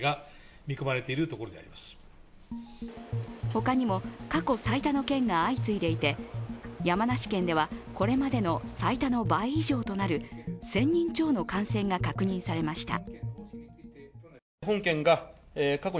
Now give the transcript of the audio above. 他にも過去最多の県が相次いでいて山梨県では、これまでの最多の倍以上となる１０００人超の感染が確認されました。